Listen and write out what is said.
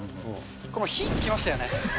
これもう火つきましたよね。